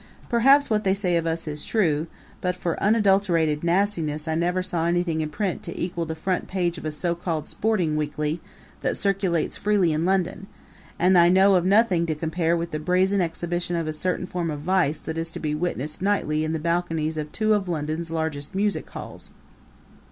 Perhaps what they say of us is true; but for unadulterated nastiness I never saw anything in print to equal the front page of a so called sporting weekly that circulates freely in London, and I know of nothing to compare with the brazen exhibition of a certain form of vice that is to be witnessed nightly in the balconies of two of London's largest music halls.